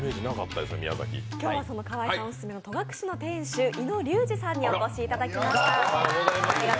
今日は河井さんオススメの戸隠の店主、猪野龍治さんにお越しいただきました。